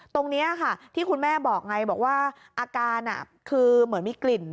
ตรงนี้ค่ะที่คุณแม่บอกไงบอกว่าอาการคือเหมือนมีกลิ่น